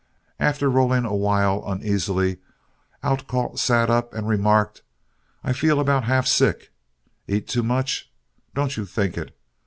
After rolling awhile uneasily, Outcault sat up and remarked, "I feel about half sick. Eat too much? Don't you think it.